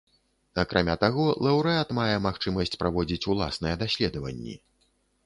Акрамя таго, лаўрэат мае магчымасць праводзіць уласныя даследаванні.